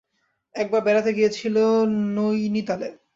একবার বেড়াতে গিয়েছিল নৈনিতালে।